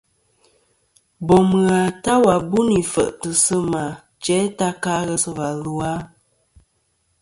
Bòm ghà ta wà bû nì fèʼtɨ̀ sɨ̂ mà jæ ta ka ghesɨ̀và lu a?